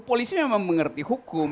polisi memang mengerti hukum